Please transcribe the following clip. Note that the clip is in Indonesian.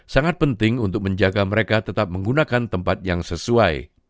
sangat penting untuk menjaga mereka tetap menggunakan tempat yang sesuai